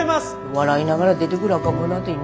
笑いながら出てくる赤ん坊なんていねー。